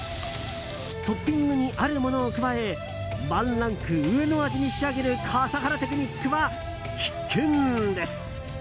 トッピングにあるものを加えワンランク上の味に仕上げる笠原テクニックは必見です。